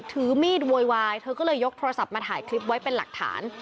ถือมีดโวยวายเธอก็เลยยกโทรศัพท์มาถ่ายคลิปไว้เป็นหลักฐาน